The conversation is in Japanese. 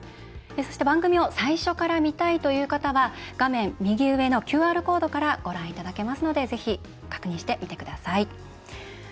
そして番組を最初から見たい方は画面右上のＱＲコードからご覧いただけますのでぜひ確認して見てください。